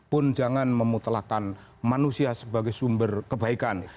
pun jangan memutelakan manusia sebagai sumber kebaikan